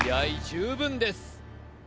十分です